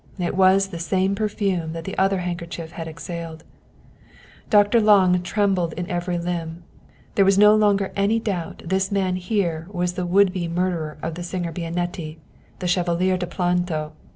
It was the same perfume that the other handkerchief had exhaled. Dr. Lange trembled in every limb. There was no longer any doubt this man here was the would be murderer of the singer Bianetti the Chevalier de Planto!